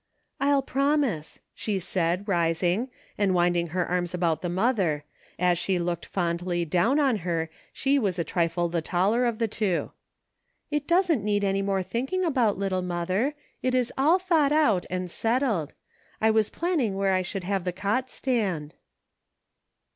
"I'll promise," she said, rising, and winding her arms about the mother ; as she looked fondly down on her, she was a trifle the taller of the two. " It doesn't need any more thinking about, little mother ; it is all thought out, and settled. I was planning where I would have the cot stand."